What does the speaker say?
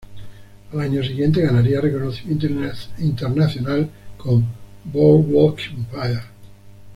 Al año siguiente ganaría reconocimiento internacional con "Boardwalk Empire".